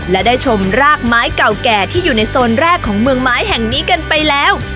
และได้ชมรากไม้เก่าแก่ที่อยู่ในโซนแรกของเมืองไม้แห่งนี้กันไปแล้ว